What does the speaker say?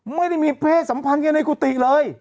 ไม่ได้มีเพศสัมผัสกับการในกุฏิตเลย